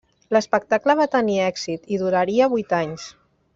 L'espectacle va tenir èxit i duraria vuit anys.